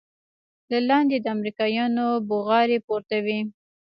له لاندې د امريکايانو بوغارې پورته وې.